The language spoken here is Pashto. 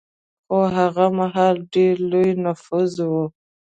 خو هغه مهال ډېر لوی نفوس و